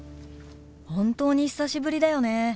本当に久しぶりだよね。